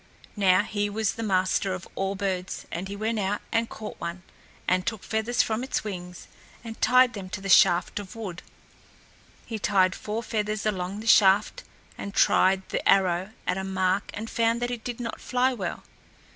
Now he was the master of all birds and he went out and caught one, and took feathers from its wings and tied them to the shaft of wood. He tied four feathers along the shaft and tried the arrow at a mark and found that it did not fly well.